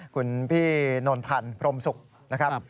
คุณพี่นนพันธ์พรมศุกร์